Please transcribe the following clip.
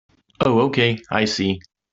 Oh okay, I see.